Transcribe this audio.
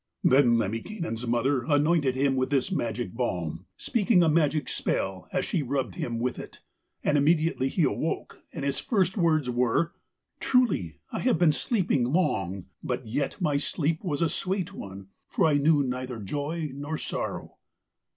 Then Lemminkainen's mother anointed him with this magic balm, speaking a magic spell as she rubbed him with it, and immediately he awoke, and his first words were: 'Truly I have been sleeping long, but yet my sleep was a sweet one, for I knew neither joy nor sorrow.'